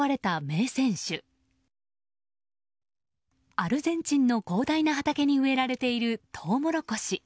アルゼンチンの広大な畑に植えられているトウモロコシ。